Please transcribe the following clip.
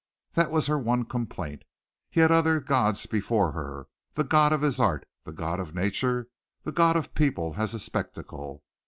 That was her one complaint. He had other gods before her the god of his art, the god of nature, the god of people as a spectacle.